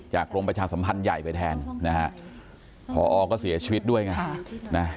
กรมประชาสัมพันธ์ใหญ่ไปแทนนะฮะพอก็เสียชีวิตด้วยไง